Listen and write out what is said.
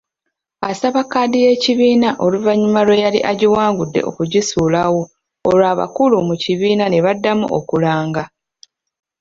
Asaba kkaadi y'ekibiina oluvannyuma lw'eyali agiwangudde okugisuulawo olwo abakulu mu kibiina ne baddamu okulanga.